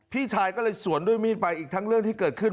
พี่ชายก็เลยสวนด้วยมีดไปอีกทั้งเรื่องที่เกิดขึ้น